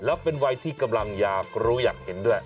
แล้วเป็นวัยที่กำลังอยากรู้อยากเห็นด้วย